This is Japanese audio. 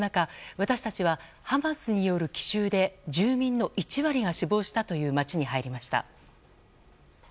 私たちはハマスによる奇襲で住民の１割が死亡したという街に入りました。